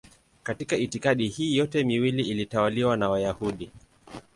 Katika itikadi hii yote miwili ilitawaliwa na Wayahudi.